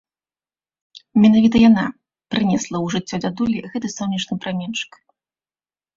Менавіта яна прынесла ў жыццё дзядулі гэты сонечны праменьчык.